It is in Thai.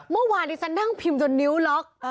เมื่อวานที่ฉันนั่งพิมพ์จนนิ้วล็อก